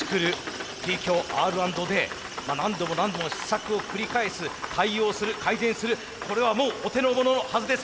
何度も何度も試作を繰り返す対応する改善するこれはもうお手の物のはずです。